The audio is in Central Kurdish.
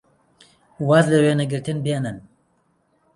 واز لە وێنەگرتن بێنن!